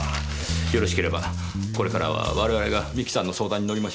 よろしければこれからは我々が美紀さんの相談に乗りましょう。